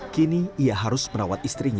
kini ia harus merawat istrinya